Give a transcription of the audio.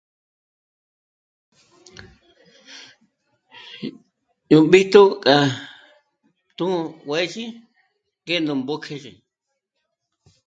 Yó bíjtu k'a tū̀'ū juězhi ngé nú mbójküts'ü